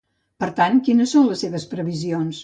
Per tant, quines són les seves previsions?